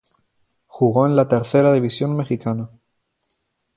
Jugó en la Tercera división mexicana.